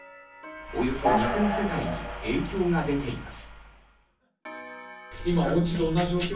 およそ２０００世帯に影響が出ています。